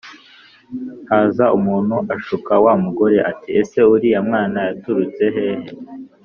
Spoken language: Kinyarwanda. Haza umuntu ashuka wa mugore ati”ese uriya mwana yaturutse hehe